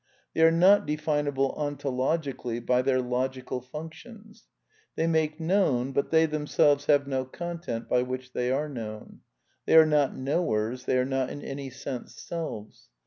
They are not definable ontologically by their logical functions. They make known, but they themselves have no content by which they are known. They are not Jcnowers, they are not in any sense selves.